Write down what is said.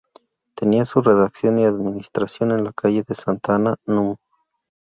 Tenía su redacción y administración en la calle de Santa Ana, núm.